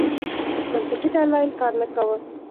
منطقي دلایل کار نه کاوه.